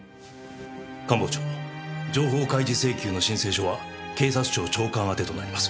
官房長情報開示請求の申請書は警察庁長官宛てとなります。